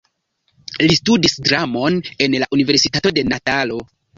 Li studis dramon en la Universitato de Natalo.